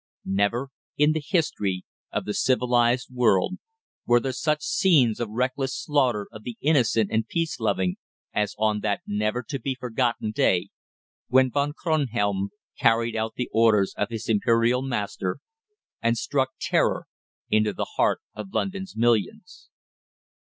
Never in the history of the civilised world were there such scenes of reckless slaughter of the innocent and peace loving as on that never to be forgotten day when Von Kronhelm carried out the orders of his Imperial master, and struck terror into the heart of London's millions.